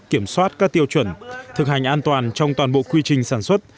kiểm soát các tiêu chuẩn thực hành an toàn trong toàn bộ quy trình sản xuất